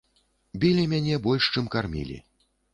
Білі мяне больш, чым кармілі.